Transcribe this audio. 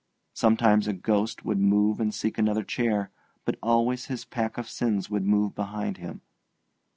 Sometimes a ghost would move and seek another chair, but always his pack of sins would move behind him.